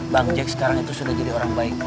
bang jack sekarang itu sudah jadi orang baik